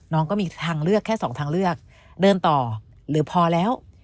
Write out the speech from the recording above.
ก็มีทางเลือกแค่สองทางเลือกเดินต่อหรือพอแล้ว